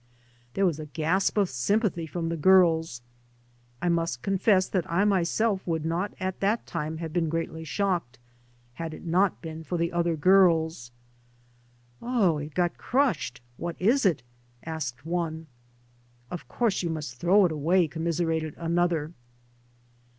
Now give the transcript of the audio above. There was a gasp of sympathy from the ^rls. I must confess that I myself would not at that time have been greatly shocked — had it not been for the other girls. " Oh, it got crushed. What is it? " asked one. '* Of course you must throw it away," com miserated another.